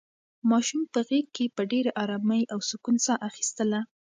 ماشوم په غېږ کې په ډېرې ارامۍ او سکون سره ساه اخیستله.